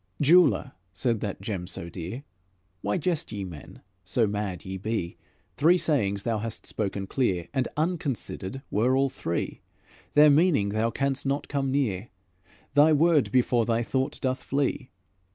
"Jeweler," said that Gem so dear, "Why jest ye men, so mad ye be? Three sayings thou hast spoken clear, And unconsidered were all three; Their meaning thou canst not come near, Thy word before thy thought doth flee.